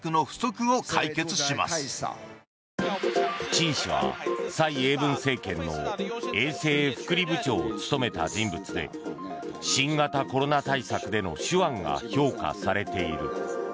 チン氏は、蔡英文政権の衛生福利部長を務めた人物で新型コロナ対策での手腕が評価されている。